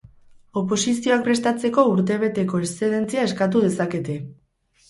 Oposizioak prestatzeko urtebeteko eszedentzia eskatu dezakete.